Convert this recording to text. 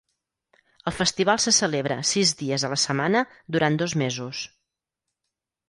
El festival se celebra sis dies a la setmana durant dos mesos.